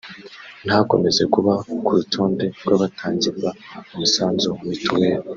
ntakomeze kuba ku rutonde rw’abatangirwa umusanzu wa mituweli”